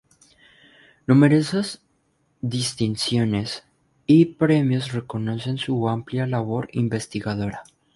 Numerosas distinciones y premios reconocen su amplia labor investigadora.